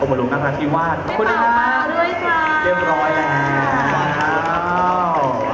อบรวมนักรัฐที่ว่าขอบคุณครับเรียบร้อยแล้วขอบคุณครับ